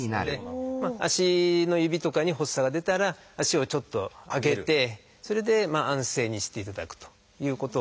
足の指とかに発作が出たら足をちょっと上げてそれで安静にしていただくということ。